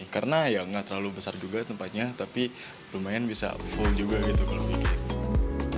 karena ya nggak terlalu besar juga tempatnya tapi lumayan bisa full juga gitu kalau weekend